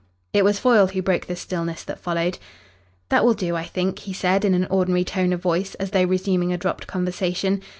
It was Foyle who broke the stillness that followed. "That will do, I think," he said in an ordinary tone of voice, as though resuming a dropped conversation.